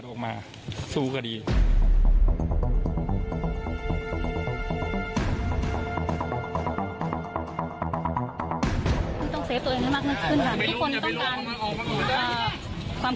ก็ตอบได้คำเดียวนะครับ